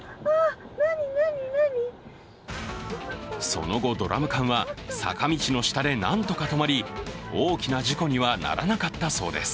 その後、ドラム缶は坂道の下でなんとか止まり、大きな事故にはならなかったそうです。